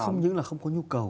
không những là không có nhu cầu